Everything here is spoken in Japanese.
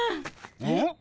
えっ？